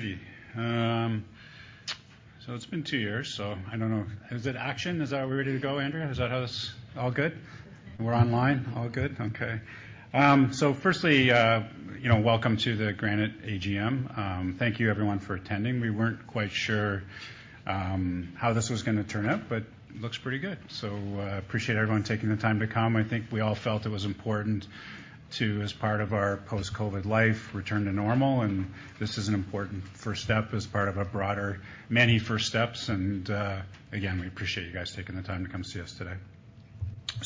All righty. It's been two years. I don't know. Is it action? Are we ready to go? Is that us all good? We're online. All good? Okay. Firstly, you know, welcome to the Granite AGM. Thank you everyone for attending. We weren't quite sure how this was gonna turn out, but looks pretty good. Appreciate everyone taking the time to come. I think we all felt it was important to, as part of our post-COVID life, return to normal, and this is an important first step as part of a broader many first steps. Again, we appreciate you guys taking the time to come see us today.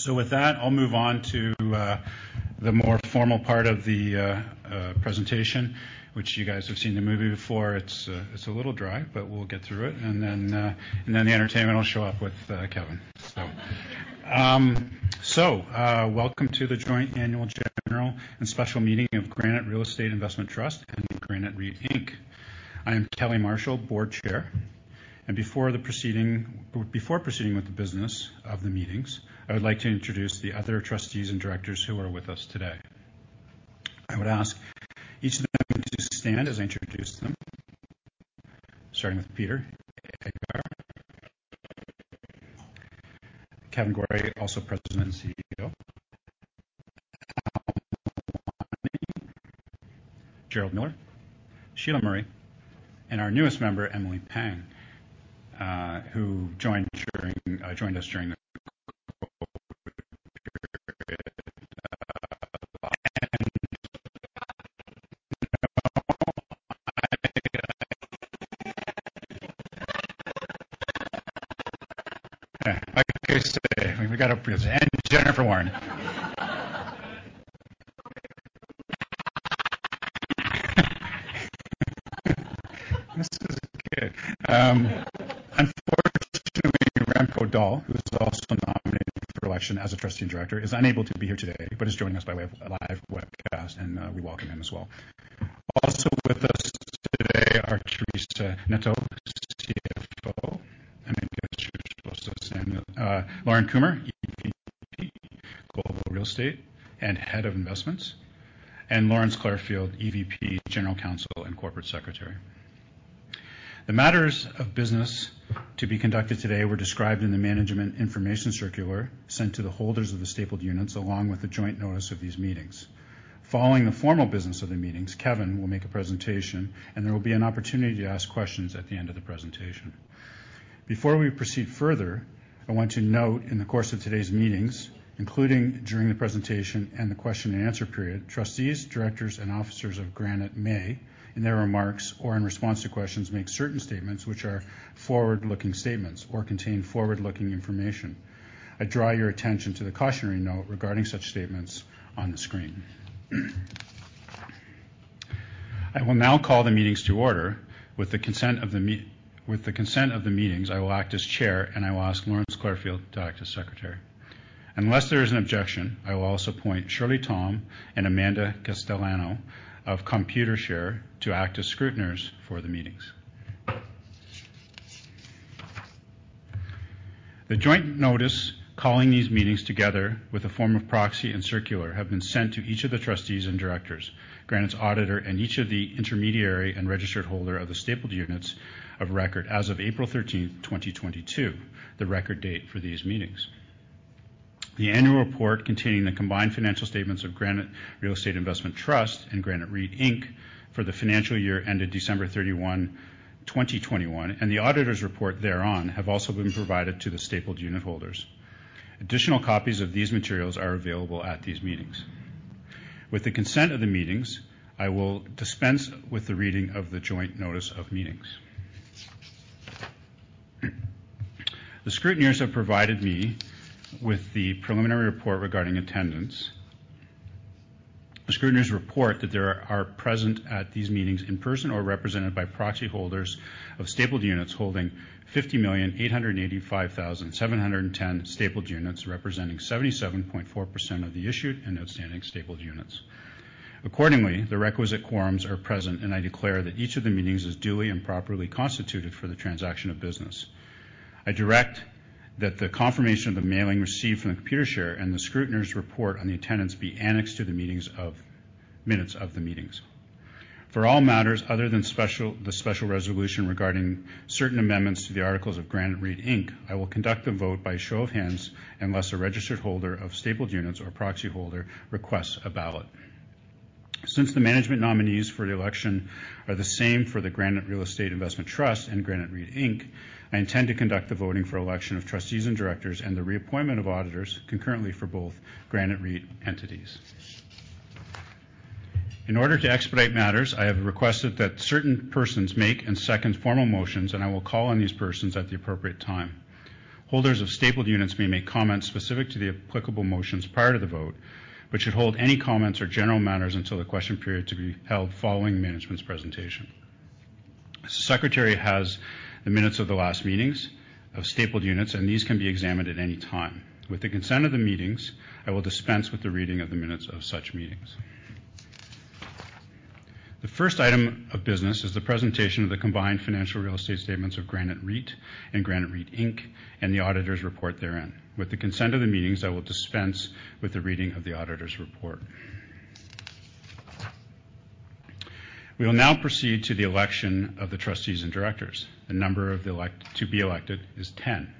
With that, I'll move on to the more formal part of the presentation, which you guys have seen the movie before. It's a little dry, but we'll get through it. The entertainment will show up with Kevan. Welcome to the joint annual general and special meeting of Granite Real Estate Investment Trust and Granite REIT Inc. I am Kelly Marshall, Chairman, and before proceeding with the business of the meetings, I would like to introduce the other trustees and directors who are with us today. I would ask each of them to stand as I introduce them, starting with Peter Aghar. Kevan Gorrie, also President and CEO. Al Mawani. Gerald Miller, Sheila A. Murray, and our newest member, Emily Pang, who joined us during the, and Jennifer Warren. This is good. Unfortunately, Remco Daal, who is also nominated for election as a trustee and director, is unable to be here today, but is joining us by way of a live webcast, and we welcome him as well. Also with us today are Teresa Neto, CFO. I guess you're supposed to say, Lorne Kumer, EVP, Global Real Estate and Head of Investments, and Lawrence Clarfield, EVP, General Counsel and Corporate Secretary. The matters of business to be conducted today were described in the management information circular sent to the holders of the stapled units, along with the joint notice of these meetings. Following the formal business of the meetings, Kevan will make a presentation, and there will be an opportunity to ask questions at the end of the presentation. Before we proceed further, I want to note in the course of today's meetings, including during the presentation and the question and answer period, trustees, directors, and officers of Granite may, in their remarks or in response to questions, make certain statements which are forward-looking statements or contain forward-looking information. I draw your attention to the cautionary note regarding such statements on the screen. I will now call the meetings to order. With the consent of the meetings, I will act as chair, and I will ask Lawrence Clarfield to act as secretary. Unless there is an objection, I will also appoint Shirley Tom and Amanda Castellano of Computershare to act as scrutineers for the meetings. The joint notice calling these meetings, together with a form of proxy and circular, have been sent to each of the trustees and directors, Granite's auditor, and each of the intermediary and registered holder of the stapled units of record as of April 13, 2022, the record date for these meetings. The annual report containing the combined financial statements of Granite Real Estate Investment Trust and Granite REIT Inc. for the financial year ended December 31, 2021, and the auditor's report thereon have also been provided to the stapled unit holders. Additional copies of these materials are available at these meetings. With the consent of the meetings, I will dispense with the reading of the joint notice of meetings. The scrutineers have provided me with the preliminary report regarding attendance. The scrutineers report that there are present at these meetings in person or represented by proxy holders of stapled units holding 50,885,710 stapled units, representing 77.4% of the issued and outstanding stapled units. Accordingly, the requisite quorums are present, and I declare that each of the meetings is duly and properly constituted for the transaction of business. I direct that the confirmation of the mailing received from Computershare and the scrutineers' report on the attendance be annexed to the minutes of the meetings. For all matters other than the special resolution regarding certain amendments to the articles of Granite REIT Inc., I will conduct the vote by show of hands unless a registered holder of stapled units or proxy holder requests a ballot. Since the management nominees for the election are the same for the Granite Real Estate Investment Trust and Granite REIT Inc., I intend to conduct the voting for election of trustees and directors and the reappointment of auditors concurrently for both Granite REIT entities. In order to expedite matters, I have requested that certain persons make and second formal motions, and I will call on these persons at the appropriate time. Holders of stapled units may make comments specific to the applicable motions prior to the vote, but should hold any comments or general matters until the question period to be held following management's presentation. Secretary has the minutes of the last meetings of stapled units, and these can be examined at any time. With the consent of the meetings, I will dispense with the reading of the minutes of such meetings. The first item of business is the presentation of the combined financial real estate statements of Granite REIT and Granite REIT Inc. and the auditor's report therein. With the consent of the meetings, I will dispense with the reading of the auditor's report. We will now proceed to the election of the trustees and directors. The number of to be elected is 10.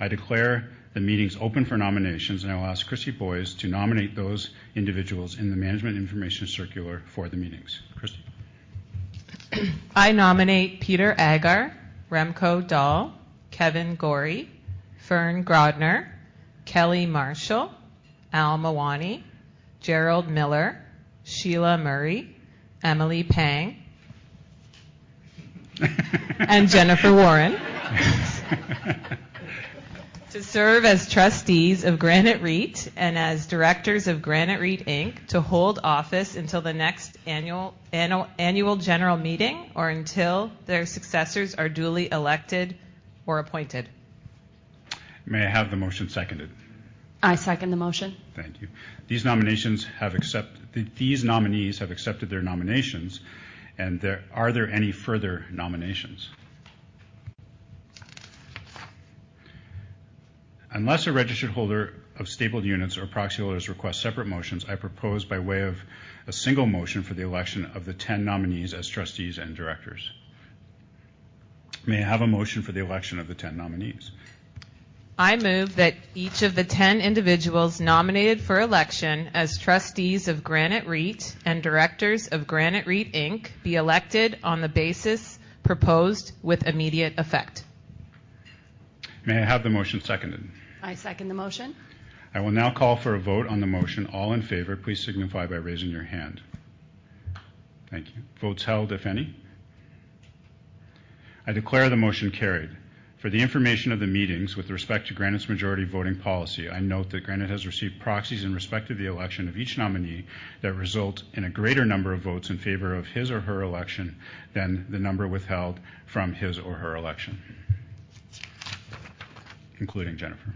I declare the meeting is open for nominations, and I'll ask Kristy Boys to nominate those individuals in the management information circular for the meetings. Kristy. I nominate Peter Aghar, Remco Daal, Kevan Gorrie, Fern Grodner, Kelly Marshall, Al Mawani, Gerald Miller, Sheila A. Murray, Emily Pang and Jennifer Warren to serve as trustees of Granite REIT and as directors of Granite REIT, Inc. to hold office until the next annual general meeting or until their successors are duly elected or appointed. May I have the motion seconded. I second the motion. Thank you. These nominees have accepted their nominations. Are there any further nominations? Unless a registered holder of stapled units or proxy holders request separate motions, I propose by way of a single motion for the election of the 10 nominees as trustees and directors. May I have a motion for the election of the 10 nominees. I move that each of the 10 individuals nominated for election as trustees of Granite REIT and directors of Granite REIT, Inc. be elected on the basis proposed with immediate effect. May I have the motion seconded. I second the motion. I will now call for a vote on the motion. All in favor, please signify by raising your hand. Thank you. Votes held, if any. I declare the motion carried. For the information of the meetings with respect to Granite's majority voting policy, I note that Granite has received proxies in respect to the election of each nominee that result in a greater number of votes in favor of his or her election than the number withheld from his or her election. Including Jennifer.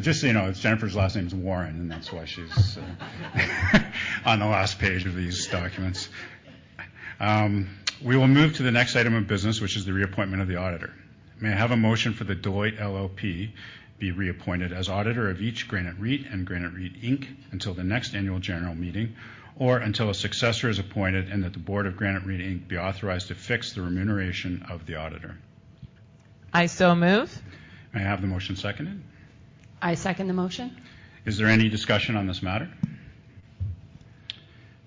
Just so you know, Jennifer's last name is Warren, and that's why she's on the last page of these documents. We will move to the next item of business, which is the reappointment of the auditor. May I have a motion for the Deloitte LLP be reappointed as auditor of each Granite REIT and Granite REIT, Inc. until the next annual general meeting or until a successor is appointed and that the board of Granite REIT Inc. be authorized to fix the remuneration of the auditor. I so move. May I have the motion seconded. I second the motion. Is there any discussion on this matter?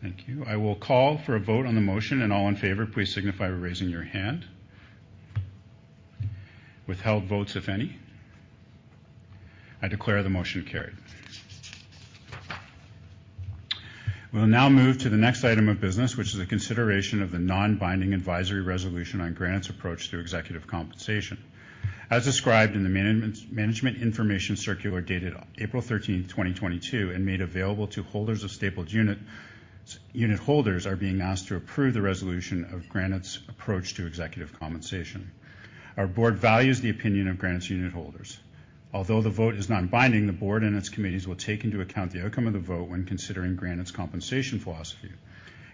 Thank you. I will call for a vote on the motion. All in favor, please signify by raising your hand. Withheld votes, if any. I declare the motion carried. We'll now move to the next item of business, which is a consideration of the non-binding advisory resolution on Granite's approach to executive compensation. As described in the management information circular dated April 13, 2022 and made available to holders of stapled units. Unit holders are being asked to approve the resolution of Granite's approach to executive compensation. Our board values the opinion of Granite's unit holders. Although the vote is not binding, the board and its committees will take into account the outcome of the vote when considering Granite's compensation philosophy.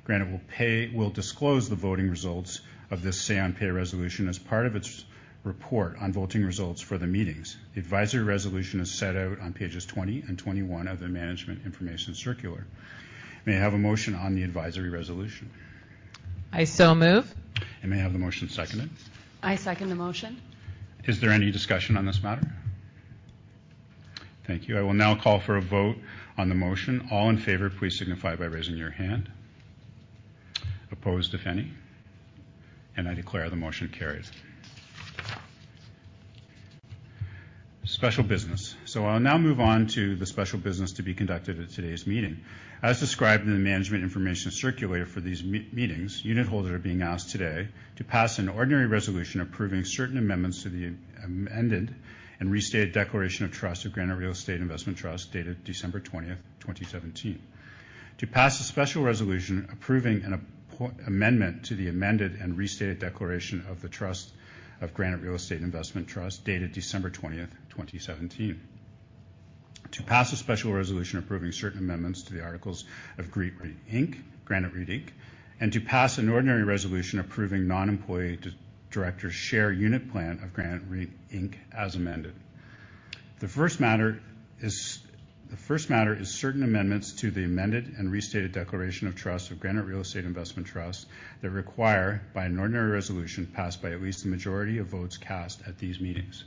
Granite will disclose the voting results of this say on pay resolution as part of its report on voting results for the meetings. The advisory resolution is set out on pages 20 and 21 of the management information circular. May I have a motion on the advisory resolution? I so move. May I have the motion seconded? I second the motion. Is there any discussion on this matter? Thank you. I will now call for a vote on the motion. All in favor, please signify by raising your hand. Opposed, if any. I declare the motion carried. Special business. I'll now move on to the special business to be conducted at today's meeting. As described in the management information circular for these meetings, unit holders are being asked today to pass an ordinary resolution approving certain amendments to the amended and restated declaration of trust of Granite Real Estate Investment Trust, dated December 20, 2017. To pass a special resolution approving an amendment to the amended and restated declaration of the trust of Granite Real Estate Investment Trust, dated December 20, 2017. To pass a special resolution approving certain amendments to the articles of Granite REIT Inc., Granite REIT Inc. To pass an ordinary resolution approving non-employee director share unit plan of Granite REIT, Inc., as amended. The first matter is certain amendments to the amended and restated declaration of trust of Granite Real Estate Investment Trust that require by an ordinary resolution passed by at least the majority of votes cast at these meetings.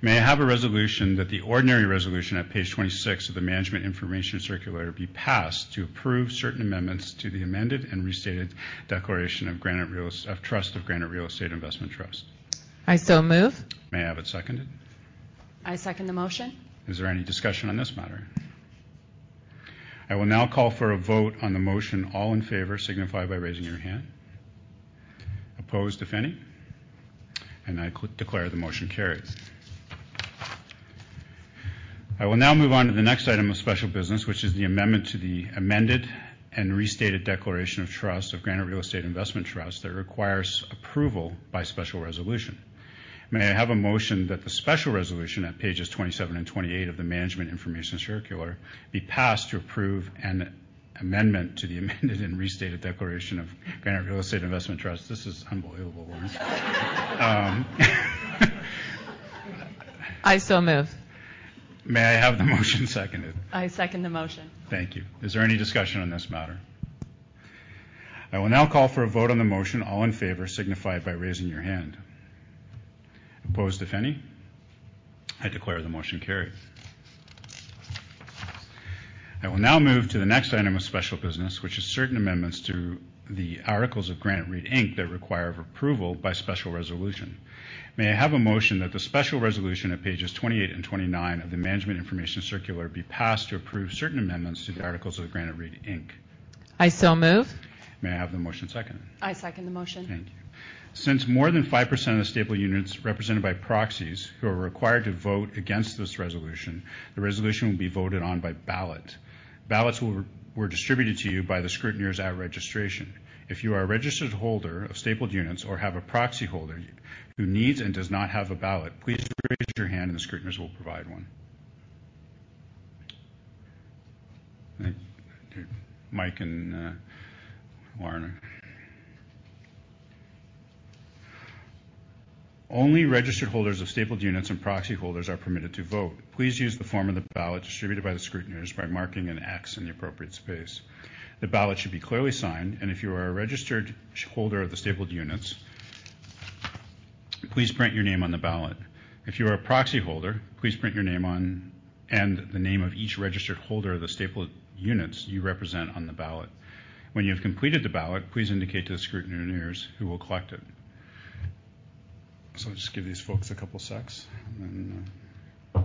May I have a resolution that the ordinary resolution at page 26 of the management information circular be passed to approve certain amendments to the amended and restated declaration of trust of Granite Real Estate Investment Trust. I so move. May I have it seconded? I second the motion. Is there any discussion on this matter? I will now call for a vote on the motion. All in favor, signify by raising your hand. Opposed, if any. I declare the motion carried. I will now move on to the next item of special business, which is the amendment to the amended and restated declaration of trust of Granite Real Estate Investment Trust that requires approval by special resolution. May I have a motion that the special resolution at pages 27 and 28 of the management information circular be passed to approve an amendment to the amended and restated declaration of Granite Real Estate Investment Trust. This is unbelievable. I so move. May I have the motion seconded? I second the motion. Thank you. Is there any discussion on this matter? I will now call for a vote on the motion. All in favor, signify it by raising your hand. Opposed, if any. I declare the motion carried. I will now move to the next item of special business, which is certain amendments to the articles of Granite REIT Inc., that require approval by special resolution. May I have a motion that the special resolution at pages 28 and 29 of the management information circular be passed to approve certain amendments to the articles of Granite REIT Inc.? I so move. May I have the motion seconded? I second the motion. Thank you. Since more than 5% of the stapled units represented by proxies who are required to vote against this resolution, the resolution will be voted on by ballot. Ballots were distributed to you by the scrutineers at registration. If you are a registered holder of stapled units or have a proxy holder who needs and does not have a ballot, please raise your hand and the scrutineers will provide one. Thank you, Mike and Lauren. Only registered holders of stapled units and proxy holders are permitted to vote. Please use the form of the ballot distributed by the scrutineers by marking an X in the appropriate space. The ballot should be clearly signed, and if you are a registered holder of the stapled units, please print your name on the ballot. If you are a proxy holder, please print your name on and the name of each registered holder of the stapled units you represent on the ballot. When you've completed the ballot, please indicate to the scrutineers who will collect it. I'll just give these folks a couple seconds, and then... The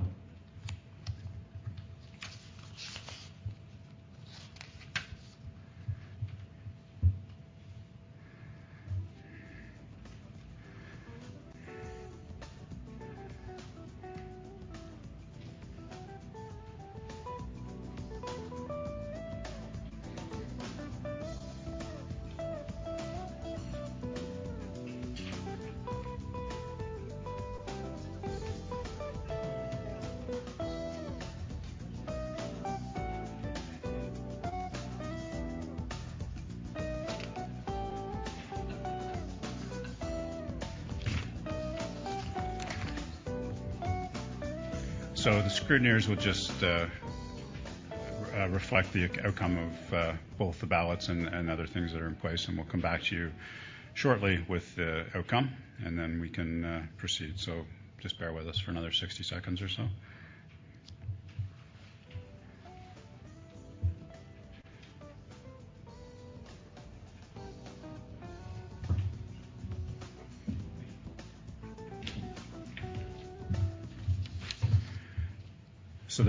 scrutineers will just reflect the outcome of both the ballots and other things that are in place, and we'll come back to you shortly with the outcome, and then we can proceed. Just bear with us for another 60 seconds or so.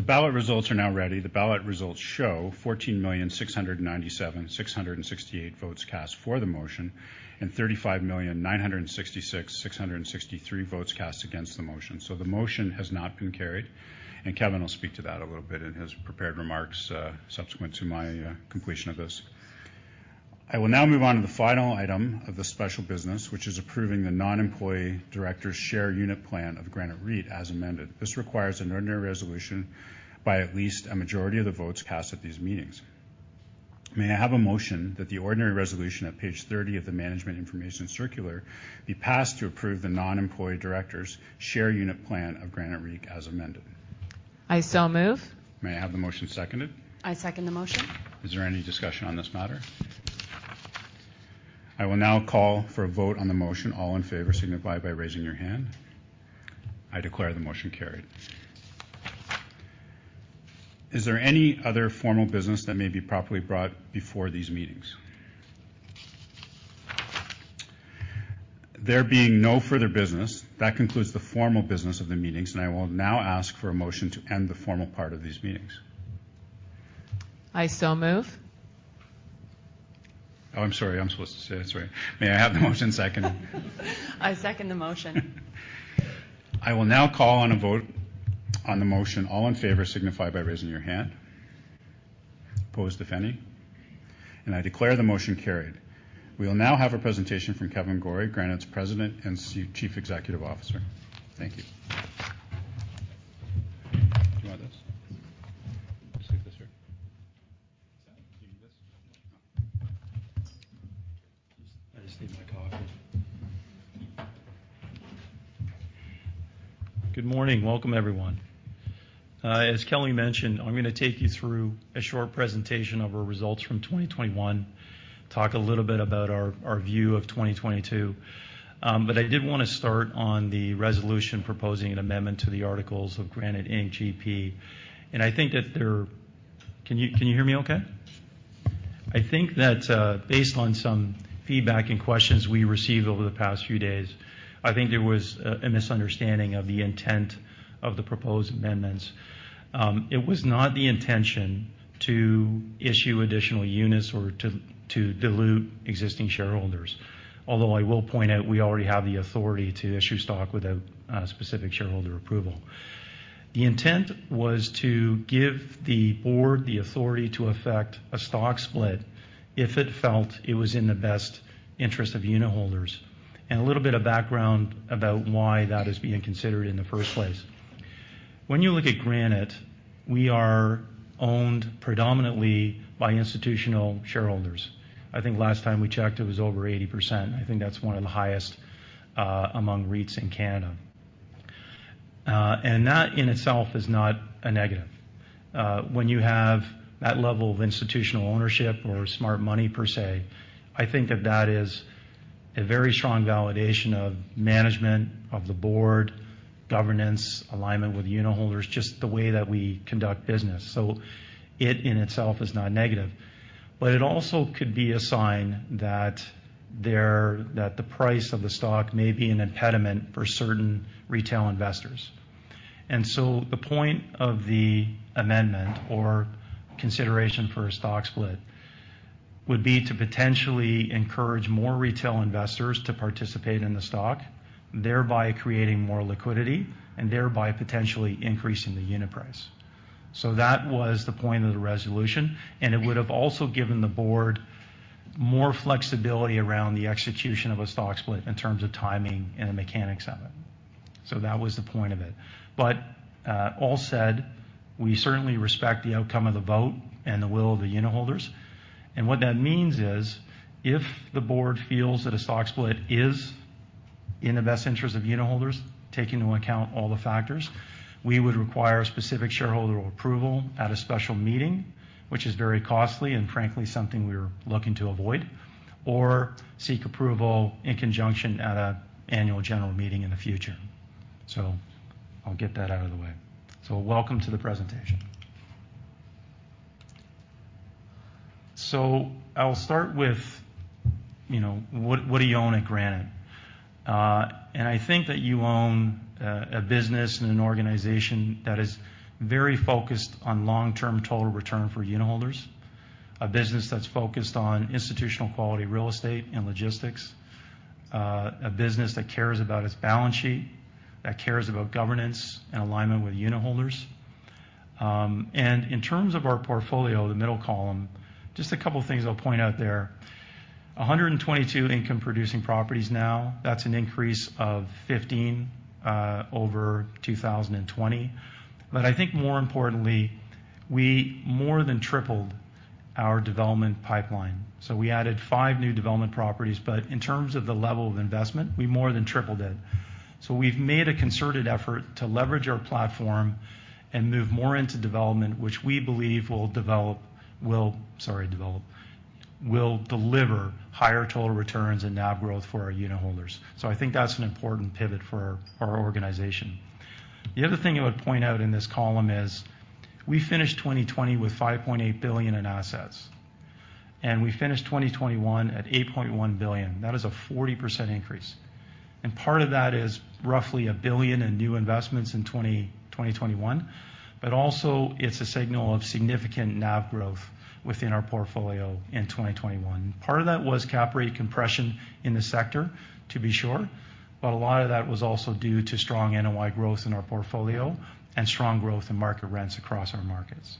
The ballot results are now ready. The ballot results show 14,697,668 votes cast for the motion and 35,966,663 votes cast against the motion. The motion has not been carried, and Kevan will speak to that a little bit in his prepared remarks, subsequent to my completion of this. I will now move on to the final item of the special business, which is approving the non-employee directors share unit plan of Granite REIT, as amended. This requires an ordinary resolution by at least a majority of the votes cast at these meetings. May I have a motion that the ordinary resolution at page 30 of the management information circular be passed to approve the non-employee directors share unit plan of Granite REIT, as amended. I move. May I have the motion seconded? I second the motion. Is there any discussion on this matter? I will now call for a vote on the motion. All in favor, signify by raising your hand. I declare the motion carried. Is there any other formal business that may be properly brought before these meetings? There being no further business, that concludes the formal business of the meetings, and I will now ask for a motion to end the formal part of these meetings. I so move. Oh, I'm sorry. I'm supposed to say it. That's right. May I have the motion seconded? I second the motion. I will now call on a vote on the motion. All in favor, signify by raising your hand. Opposed, if any. I declare the motion carried. We will now have a presentation from Kevan Gorrie, Granite's President and Chief Executive Officer. Thank you. Do you want this? Just take this here. Exactly. Take this. I just need my coffee. Good morning. Welcome, everyone. As Kelly mentioned, I'm gonna take you through a short presentation of our results from 2021, talk a little bit about our view of 2022. I did wanna start on the resolution proposing an amendment to the articles of Granite REIT Inc. Can you hear me okay? I think that, based on some feedback and questions we received over the past few days, I think there was a misunderstanding of the intent of the proposed amendments. It was not the intention to issue additional units or to dilute existing shareholders. Although I will point out, we already have the authority to issue stock without specific shareholder approval. The intent was to give the board the authority to effect a stock split if it felt it was in the best interest of unitholders. A little bit of background about why that is being considered in the first place. When you look at Granite, we are owned predominantly by institutional shareholders. I think last time we checked, it was over 80%. I think that's one of the highest among REITs in Canada. That in itself is not a negative. When you have that level of institutional ownership or smart money per se, I think that is a very strong validation of management, of the board, governance, alignment with unitholders, just the way that we conduct business. It in itself is not negative. It also could be a sign that the price of the stock may be an impediment for certain retail investors. The point of the amendment or consideration for a stock split would be to potentially encourage more retail investors to participate in the stock, thereby creating more liquidity, and thereby potentially increasing the unit price. That was the point of the resolution, and it would have also given the board more flexibility around the execution of a stock split in terms of timing and the mechanics of it. That was the point of it. All said, we certainly respect the outcome of the vote and the will of the unitholders. What that means is, if the board feels that a stock split is in the best interest of unitholders, take into account all the factors, we would require specific shareholder approval at a special meeting, which is very costly and frankly something we're looking to avoid, or seek approval in conjunction at an annual general meeting in the future. I'll get that out of the way. Welcome to the presentation. I'll start with, you know, what do you own at Granite? I think that you own a business and an organization that is very focused on long-term total return for unitholders. A business that's focused on institutional quality real estate and logistics. A business that cares about its balance sheet, that cares about governance and alignment with unitholders. In terms of our portfolio, the middle column, just a couple of things I'll point out there. 122 income-producing properties now. That's an increase of 15 over 2020. I think more importantly, we more than tripled our development pipeline. We added five new development properties, but in terms of the level of investment, we more than tripled it. We've made a concerted effort to leverage our platform and move more into development, which we believe will develop. Will deliver higher total returns and NAV growth for our unitholders. I think that's an important pivot for our organization. The other thing I would point out in this column is we finished 2020 with 5.8 billion in assets, and we finished 2021 at 8.1 billion. That is a 40% increase. Part of that is roughly one billion in new investments in 2021, but also it's a signal of significant NAV growth within our portfolio in 2021. Part of that was cap rate compression in the sector, to be sure, but a lot of that was also due to strong NOI growth in our portfolio and strong growth in market rents across our markets.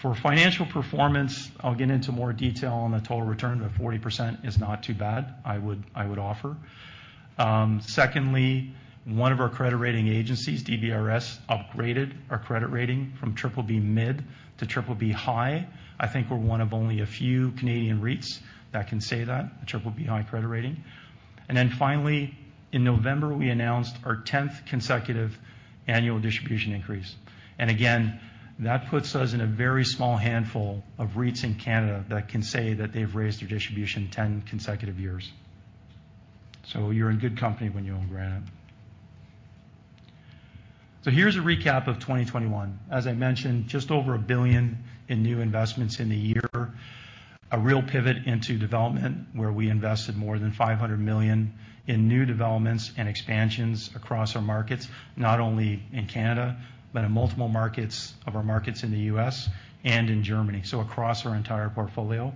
For financial performance, I'll get into more detail on the total return, but 40% is not too bad, I would offer. Secondly, one of our credit rating agencies, DBRS, upgraded our credit rating from triple B mid to triple B high. I think we're one of only a few Canadian REITs that can say that, a triple B high credit rating. Then finally, in November, we announced our tenth consecutive annual distribution increase. Again, that puts us in a very small handful of REITs in Canada that can say that they've raised their distribution 10 consecutive years. You're in good company when you own Granite. Here's a recap of 2021. As I mentioned, just over one billion in new investments in the year, a real pivot into development, where we invested more than 500 million in new developments and expansions across our markets, not only in Canada, but in multiple markets of our markets in the U.S. and in Germany, so across our entire portfolio.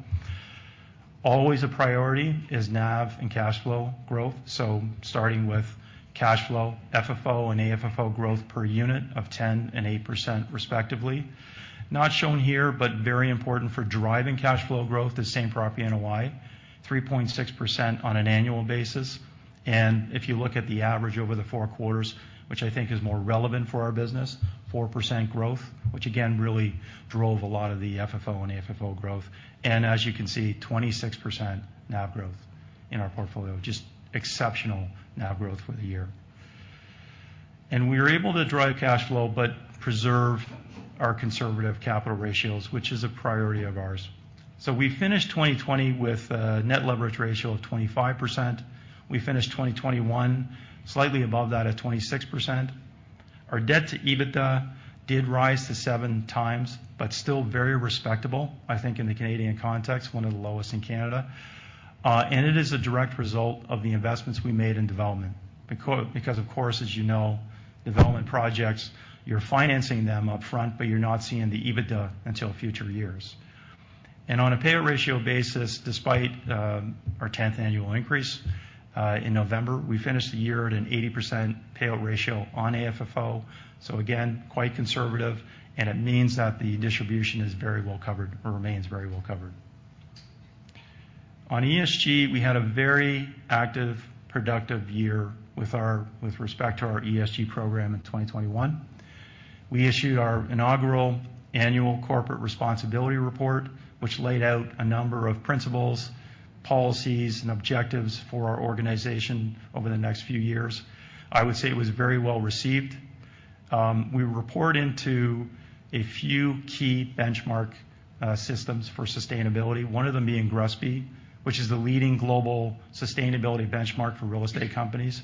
Always a priority is NAV and cash flow growth. Starting with cash flow, FFO and AFFO growth per unit of 10% and 8% respectively. Not shown here, but very important for driving cash flow growth is same property NOI, 3.6% on an annual basis. If you look at the average over the four quarters, which I think is more relevant for our business, 4% growth, which again, really drove a lot of the FFO and AFFO growth. As you can see, 26% NAV growth in our portfolio, just exceptional NAV growth for the year. We were able to drive cash flow but preserve our conservative capital ratios, which is a priority of ours. We finished 2020 with a net leverage ratio of 25%. We finished 2021 slightly above that at 26%. Our debt to EBITDA did rise to seven times, but still very respectable, I think in the Canadian context, one of the lowest in Canada. It is a direct result of the investments we made in development. Because of course, as you know, development projects, you're financing them up front, but you're not seeing the EBITDA until future years. On a payout ratio basis, despite our tenth annual increase in November, we finished the year at an 80% payout ratio on AFFO. Again, quite conservative, and it means that the distribution is very well covered or remains very well covered. On ESG, we had a very active, productive year with respect to our ESG program in 2021. We issued our inaugural annual corporate responsibility report, which laid out a number of principles, policies, and objectives for our organization over the next few years. I would say it was very well received. We report into a few key benchmark systems for sustainability. One of them being GRESB, which is the leading global sustainability benchmark for real estate companies,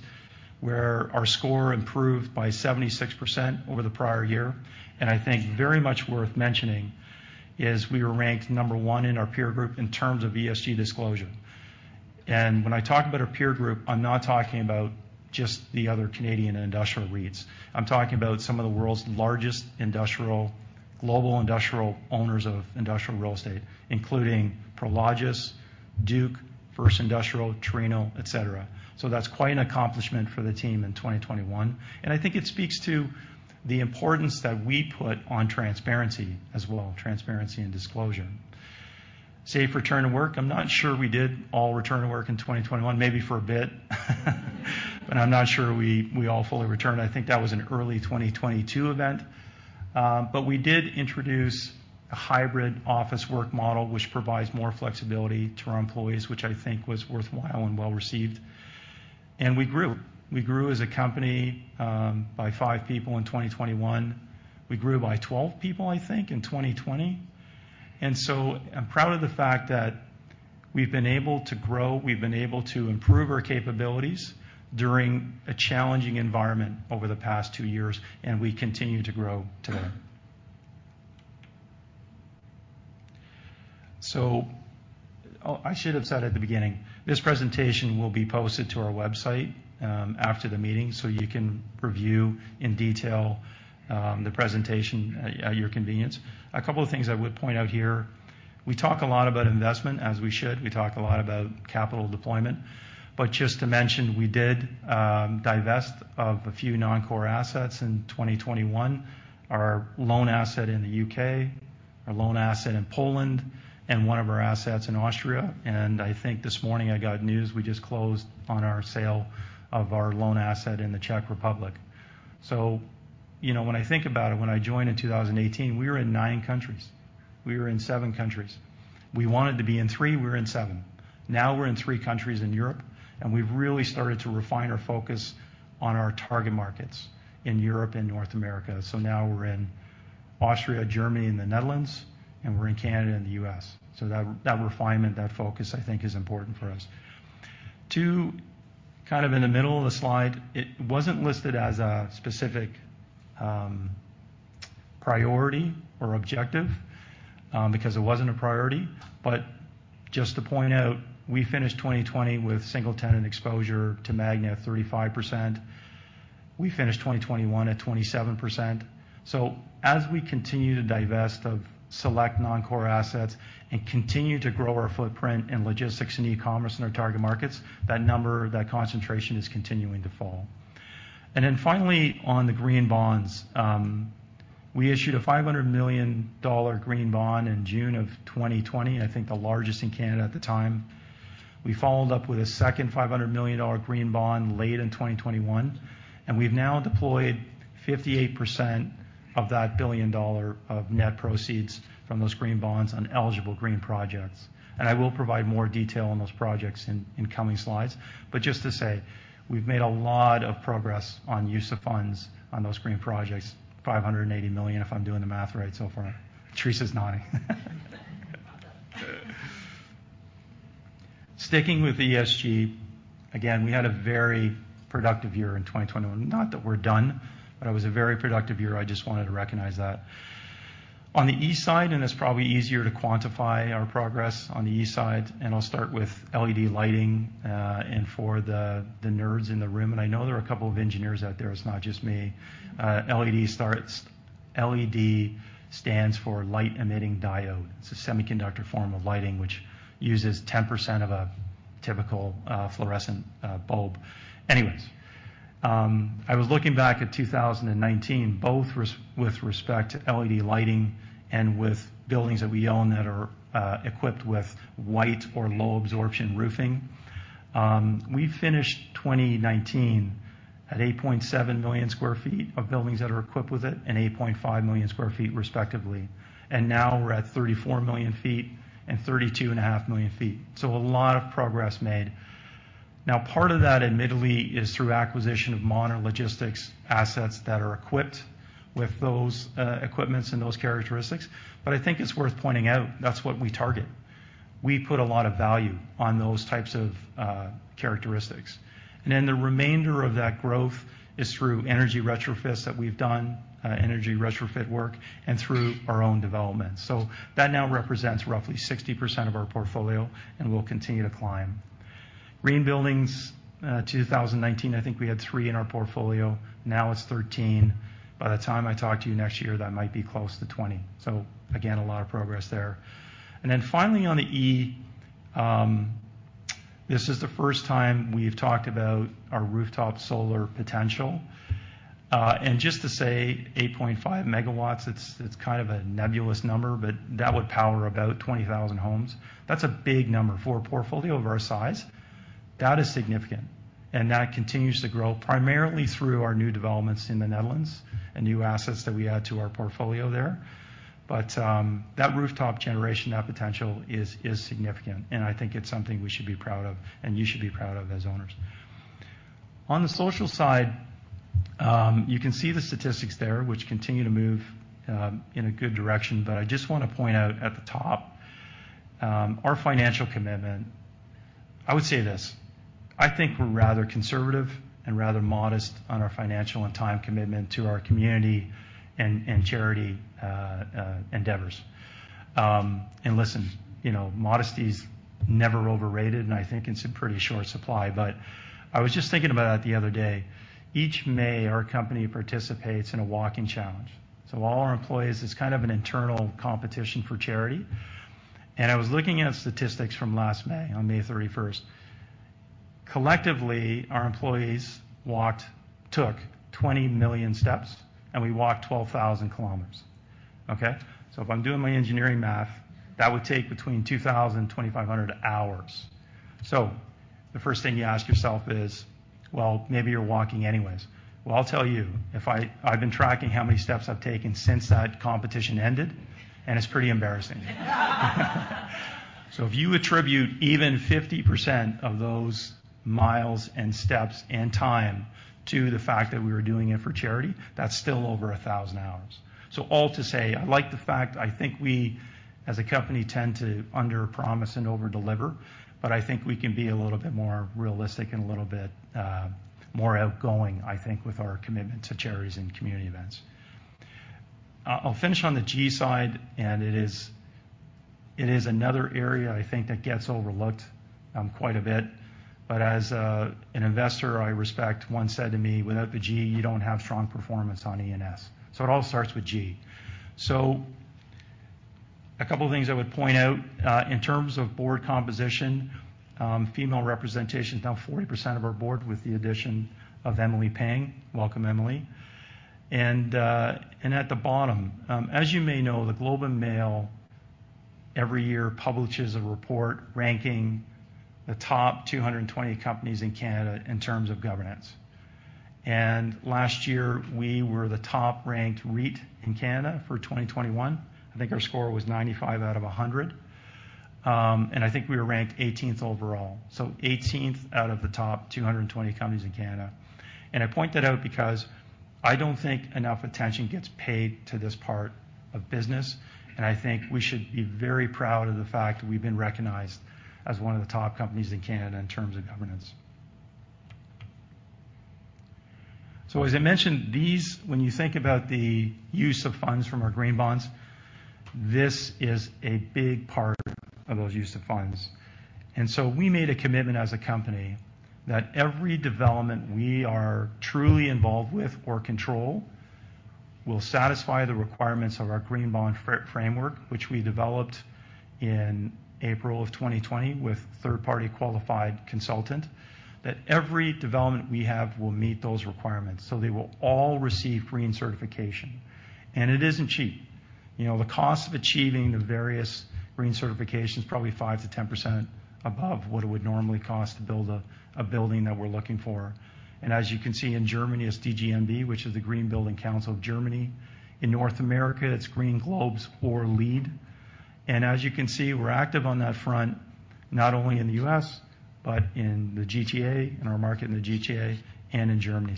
where our score improved by 76% over the prior year. I think very much worth mentioning is we were ranked number one in our peer group in terms of ESG disclosure. When I talk about our peer group, I'm not talking about just the other Canadian industrial REITs. I'm talking about some of the world's largest industrial global industrial owners of industrial real estate, including Prologis, Duke, First Industrial, Terreno, et cetera. That's quite an accomplishment for the team in 2021, and I think it speaks to the importance that we put on transparency as well, transparency and disclosure. Safe return to work. I'm not sure we did all return to work in 2021, maybe for a bit, but I'm not sure we all fully returned. I think that was an early 2022 event. We did introduce a hybrid office work model which provides more flexibility to our employees, which I think was worthwhile and well-received. We grew. We grew as a company by five people in 2021. We grew by 12 people, I think, in 2020. I'm proud of the fact that we've been able to grow, we've been able to improve our capabilities during a challenging environment over the past two years, and we continue to grow today. I should have said at the beginning, this presentation will be posted to our website after the meeting, so you can review in detail the presentation at your convenience. A couple of things I would point out here. We talk a lot about investment, as we should. We talk a lot about capital deployment. Just to mention, we did divest of a few non-core assets in 2021. Our loan asset in the U.K., our loan asset in Poland, and one of our assets in Austria. I think this morning I got news we just closed on our sale of our loan asset in the Czech Republic. You know, when I think about it, when I joined in 2018, we were in nine countries. We were in seven countries. We wanted to be in three, we were in seven. Now we're in three countries in Europe, and we've really started to refine our focus on our target markets in Europe and North America. Now we're in Austria, Germany, and the Netherlands, and we're in Canada and the U.S. That refinement, that focus, I think is important for us. Two, kind of in the middle of the slide, it wasn't listed as a specific priority or objective because it wasn't a priority. Just to point out, we finished 2020 with single tenant exposure to Magna of 35%. We finished 2021 at 27%. As we continue to divest of select non-core assets and continue to grow our footprint in logistics and e-commerce in our target markets, that number, that concentration is continuing to fall. Then finally, on the green bonds, we issued a $500 million green bond in June of 2020, and I think the largest in Canada at the time. We followed up with a second $500 million green bond late in 2021, and we've now deployed 58% of that $1 billion of net proceeds from those green bonds on eligible green projects. I will provide more detail on those projects in coming slides. Just to say, we've made a lot of progress on use of funds on those green projects, 580 million, if I'm doing the math right so far. Teresa's nodding. Sticking with ESG, again, we had a very productive year in 2021. Not that we're done, but it was a very productive year. I just wanted to recognize that. On the E side, it's probably easier to quantify our progress on the E side, and I'll start with LED lighting, and for the nerds in the room, and I know there are a couple of engineers out there, it's not just me. LED stands for light emitting diode. It's a semiconductor form of lighting which uses 10% of a typical fluorescent bulb. Anyways, I was looking back at 2019, both with respect to LED lighting and with buildings that we own that are equipped with white or low absorption roofing. We finished 2019 at 8.7 million sq ft of buildings that are equipped with it and 8.5 million sq ft respectively. Now we're at 34 million sq ft and 32.5 million sq ft. A lot of progress made. Now, part of that, admittedly, is through acquisition of modern logistics assets that are equipped with those equipments and those characteristics, but I think it's worth pointing out that's what we target. We put a lot of value on those types of characteristics. Then the remainder of that growth is through energy retrofits that we've done, energy retrofit work, and through our own development. That now represents roughly 60% of our portfolio and will continue to climb. Green buildings, 2019, I think we had threee in our portfolio. Now it's 13. By the time I talk to you next year, that might be close to 20. Again, a lot of progress there. Finally on the E. This is the first time we've talked about our rooftop solar potential. And just to say 8.5 MW, it's kind of a nebulous number, but that would power about 20,000 homes. That's a big number for a portfolio of our size. That is significant, and that continues to grow primarily through our new developments in the Netherlands and new assets that we add to our portfolio there. That rooftop generation, that potential is significant, and I think it's something we should be proud of and you should be proud of as owners. On the social side, you can see the statistics there, which continue to move in a good direction, but I just wanna point out at the top, our financial commitment. I would say this, I think we're rather conservative and rather modest on our financial and time commitment to our community and charity endeavors. Listen, you know, modesty's never overrated, and I think it's in pretty short supply. I was just thinking about that the other day. Each May, our company participates in a walking challenge. All our employees, it's kind of an internal competition for charity. I was looking at statistics from last May, on May 31st. Collectively, our employees walked, took 20 million steps, and we walked 12,000 kilometers. Okay? If I'm doing my engineering math, that would take between 2,000-2,500 hours. The first thing you ask yourself is, well, maybe you're walking anyways. Well, I'll tell you, I've been tracking how many steps I've taken since that competition ended, and it's pretty embarrassing. If you attribute even 50% of those miles and steps and time to the fact that we were doing it for charity, that's still over 1,000 hours. All to say, I like the fact I think we, as a company, tend to underpromise and overdeliver, but I think we can be a little bit more realistic and a little bit, more outgoing, I think, with our commitment to charities and community events. I'll finish on the G side, and it is another area I think that gets overlooked quite a bit. As an investor I respect once said to me, "Without the G, you don't have strong performance on E and S." It all starts with G. A couple of things I would point out in terms of board composition, female representation is now 40% of our board with the addition of Emily Pang. Welcome, Emily. At the bottom, as you may know, The Globe and Mail every year publishes a report ranking the top 220 companies in Canada in terms of governance. Last year, we were the top-ranked REIT in Canada for 2021. I think our score was 95 out of 100. I think we were ranked 18th overall. 18th out of the top 220 companies in Canada. I point that out because I don't think enough attention gets paid to this part of business, and I think we should be very proud of the fact we've been recognized as one of the top companies in Canada in terms of governance. As I mentioned, these, when you think about the use of funds from our green bonds, this is a big part of those use of funds. We made a commitment as a company that every development we are truly involved with or control will satisfy the requirements of our green bond framework, which we developed in April of 2020 with third-party qualified consultant, that every development we have will meet those requirements. They will all receive green certification. It isn't cheap. You know, the cost of achieving the various green certifications, probably 5%-10% above what it would normally cost to build a building that we're looking for. As you can see in Germany, it's DGNB, which is the Green Building Council of Germany. In North America, it's Green Globes or LEED. As you can see, we're active on that front, not only in the US, but in the GTA, in our market in the GTA, and in Germany.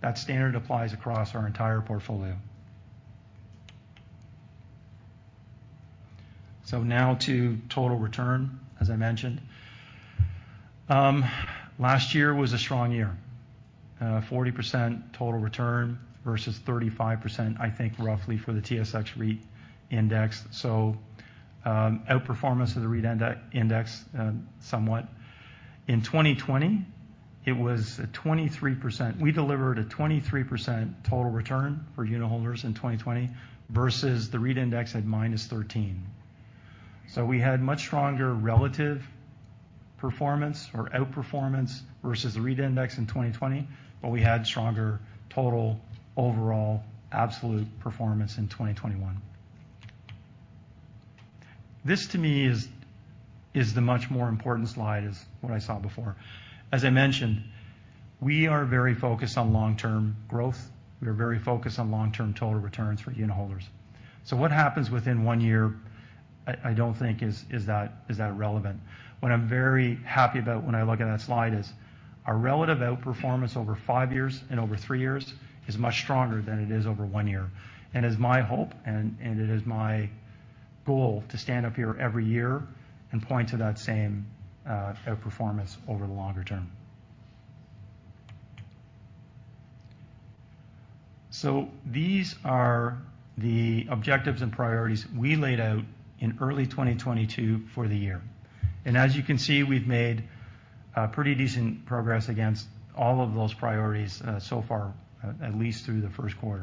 That standard applies across our entire portfolio. Now to total return, as I mentioned. Last year was a strong year. 40% total return versus 35%, I think, roughly for the TSX REIT index. Outperformance of the REIT index, somewhat. In 2020, it was a 23%. We delivered a 23% total return for unitholders in 2020 versus the REIT index had -13%. We had much stronger relative performance or outperformance versus the REIT index in 2020, but we had stronger total overall absolute performance in 2021. This to me is the much more important slide is what I saw before. As I mentioned, we are very focused on long-term growth. We are very focused on long-term total returns for unitholders. What happens within one year I don't think is that relevant. What I'm very happy about when I look at that slide is our relative outperformance over 5 years and over 3 years is much stronger than it is over one year. It's my hope and it is my goal to stand up here every year and point to that same outperformance over the longer term. These are the objectives and priorities we laid out in early 2022 for the year. As you can see, we've made pretty decent progress against all of those priorities so far, at least through the Q1.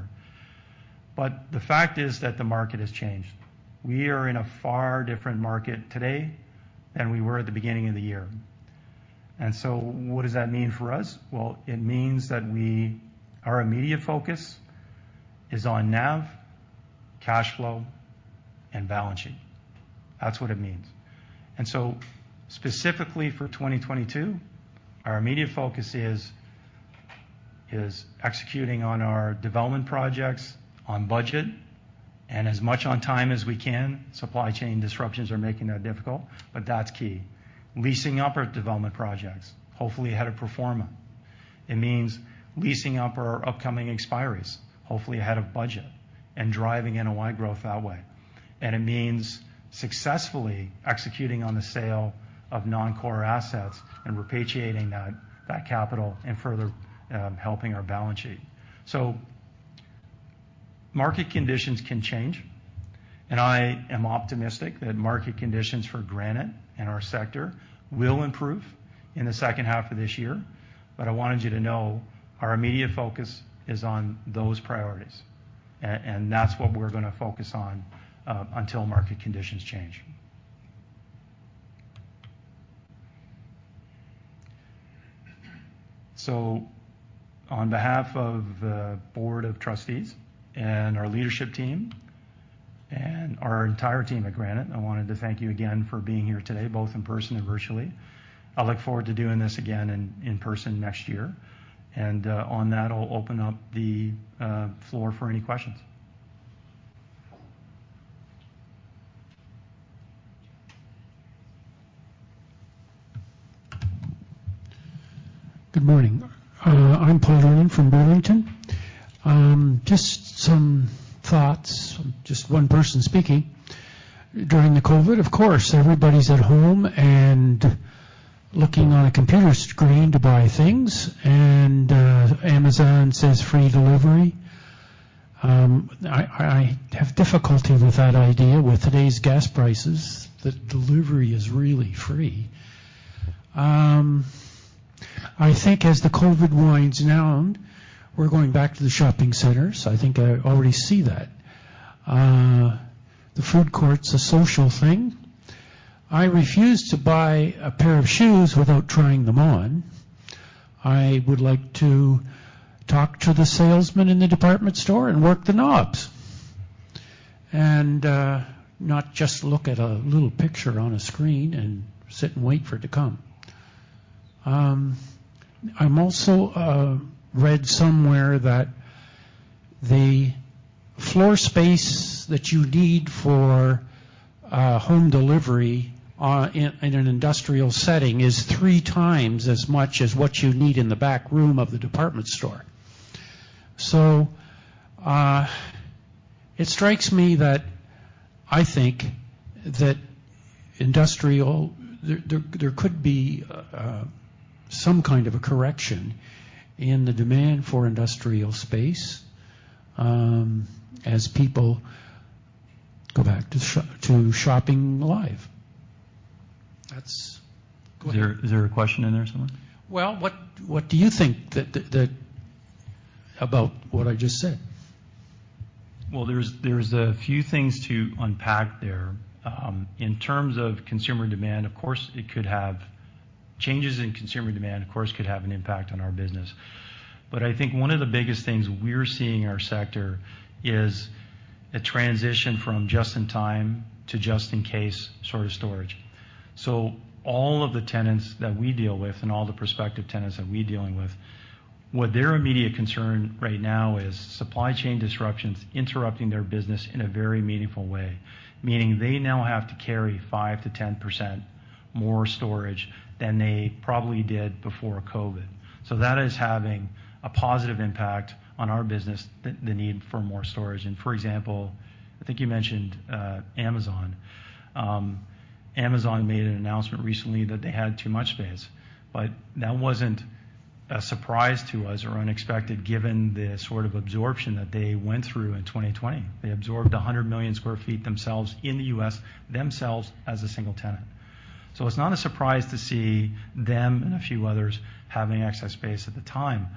The fact is that the market has changed. We are in a far different market today than we were at the beginning of the year. What does that mean for us? Well, it means that our immediate focus is on NAV, cash flow, and balance sheet. That's what it means. Specifically for 2022, our immediate focus is executing on our development projects on budget and as much on time as we can. Supply chain disruptions are making that difficult, but that's key. Leasing up our development projects, hopefully ahead of pro forma. It means leasing up our upcoming expiries, hopefully ahead of budget, and driving NOI growth that way. It means successfully executing on the sale of non-core assets and repatriating that capital and further helping our balance sheet. Market conditions can change, and I am optimistic that market conditions for Granite and our sector will improve in the second half of this year. I wanted you to know our immediate focus is on those priorities. That's what we're gonna focus on until market conditions change. On behalf of the board of trustees and our leadership team and our entire team at Granite, I wanted to thank you again for being here today, both in person and virtually. I look forward to doing this again in person next year. On that, I'll open up the floor for any questions. Good morning. I'm Paul Allen from Burlington. Just some thoughts. Just one person speaking. During the COVID, of course, everybody's at home and looking on a computer screen to buy things, and Amazon says free delivery. I have difficulty with that idea with today's gas prices, that delivery is really free. I think as the COVID winds down, we're going back to the shopping centers. I think I already see that. The food court's a social thing. I refuse to buy a pair of shoes without trying them on. I would like to talk to the salesman in the department store and work the knobs. Not just look at a little picture on a screen and sit and wait for it to come. I also read somewhere that the floor space that you need for home delivery in an industrial setting is three times as much as what you need in the back room of the department store. It strikes me that I think that industrial there could be some kind of a correction in the demand for industrial space as people go back to shopping live. That's Is there a question in there somewhere? Well, what do you think that about what I just said? Well, there's a few things to unpack there. In terms of consumer demand, of course, changes in consumer demand, of course, could have an impact on our business. I think one of the biggest things we're seeing in our sector is a transition from just in time to just in case sort of storage. All of the tenants that we deal with and all the prospective tenants that we're dealing with, what their immediate concern right now is supply chain disruptions interrupting their business in a very meaningful way, meaning they now have to carry 5%-10% more storage than they probably did before COVID. That is having a positive impact on our business, the need for more storage. For example, I think you mentioned Amazon. Amazon made an announcement recently that they had too much space, but that wasn't a surprise to us or unexpected given the sort of absorption that they went through in 2020. They absorbed 100 million sq ft themselves in the U.S., themselves as a single tenant. It's not a surprise to see them and a few others having excess space at the time.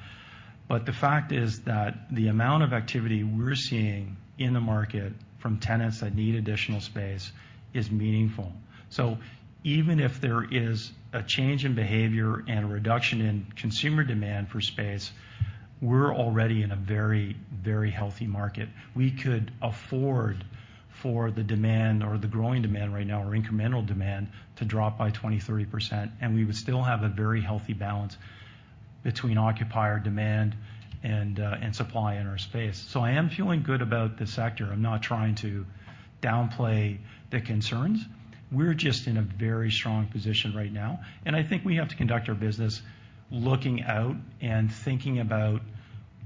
The fact is that the amount of activity we're seeing in the market from tenants that need additional space is meaningful. Even if there is a change in behavior and a reduction in consumer demand for space, we're already in a very, very healthy market. We could afford for the demand or the growing demand right now or incremental demand to drop by 20, 30%, and we would still have a very healthy balance between occupier demand and and supply in our space. I am feeling good about the sector. I'm not trying to downplay the concerns. We're just in a very strong position right now, and I think we have to conduct our business looking out and thinking about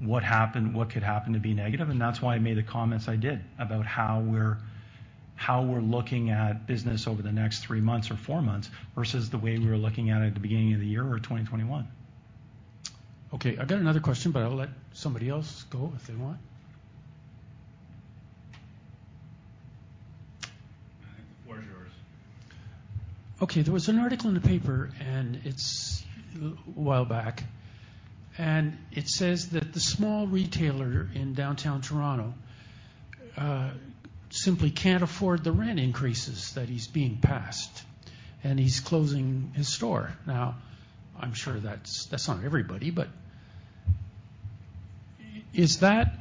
what happened, what could happen to be negative, and that's why I made the comments I did about how we're looking at business over the next three months or four months versus the way we were looking at it at the beginning of the year or 2021. Okay. I got another question, but I will let somebody else go if they want. What is yours? Okay, there was an article in the paper, and it's a while back, and it says that the small retailer in downtown Toronto simply can't afford the rent increases that he's being passed, and he's closing his store. Now, I'm sure that's not everybody, but is that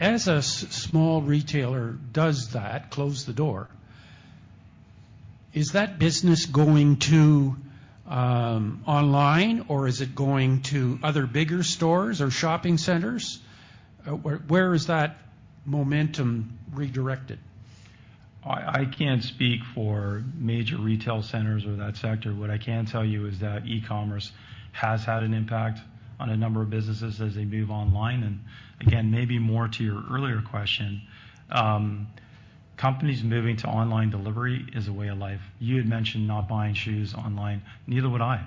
as a small retailer does that, close the door, is that business going to online, or is it going to other bigger stores or shopping centers? Where is that momentum redirected? I can't speak for major retail centers or that sector. What I can tell you is that e-commerce has had an impact on a number of businesses as they move online. Again, maybe more to your earlier question, companies moving to online delivery is a way of life. You had mentioned not buying shoes online. Neither would I,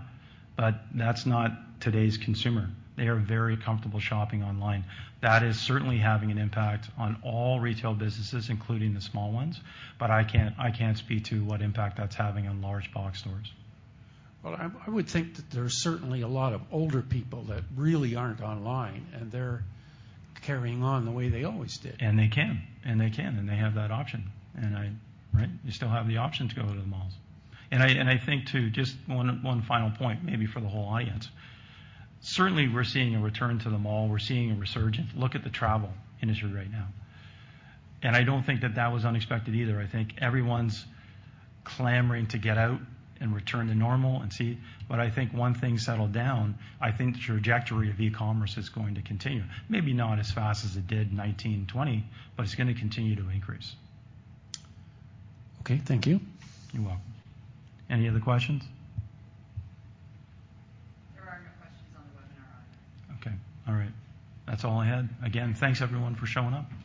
but that's not today's consumer. They are very comfortable shopping online. That is certainly having an impact on all retail businesses, including the small ones, but I can't speak to what impact that's having on large box stores. Well, I would think that there are certainly a lot of older people that really aren't online, and they're carrying on the way they always did. They can, and they have that option. Right? They still have the option to go to the malls. I think, too, just one final point maybe for the whole audience. Certainly, we're seeing a return to the mall. We're seeing a resurgence. Look at the travel industry right now. I don't think that was unexpected either. I think everyone's clamoring to get out and return to normal and see. I think one thing settled down, I think the trajectory of e-commerce is going to continue. Maybe not as fast as it did in 2020, but it's gonna continue to increase. Okay, thank you. You're welcome. Any other questions? There are no questions on the webinar either. Okay. All right. That's all I had. Again, thanks everyone for showing up.